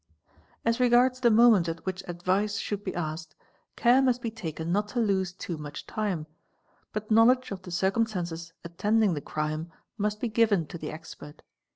As regards the moment at which advice should be asked, care must be taken not to lose too much time ; but knowledge of the circumstances — attending the crime must be given to the expert.